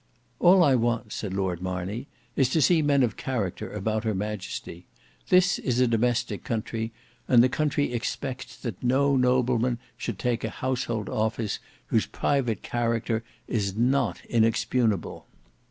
'" "All I want," said Lord Marney, "is to see men of character about her Majesty. This is a domestic country, and the country expects that no nobleman should take household office whose private character is not inexpugnable.